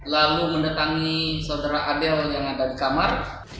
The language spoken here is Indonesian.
lalu mendatangi saudara adel yang ada di kamar